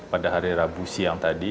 pada hari rabu siang tadi